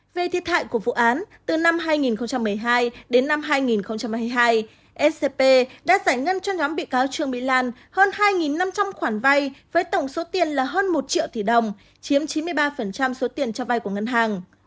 về thiệt hại của vụ án từ năm hai nghìn một mươi hai đến năm hai nghìn hai mươi hai scp đã giải ngân cho nhóm bị cáo trương mỹ lan hơn hai năm trăm linh khoản vay với tổng số tiền là hơn một triệu tỷ đồng chiếm chín mươi ba số tiền cho vay của ngân hàng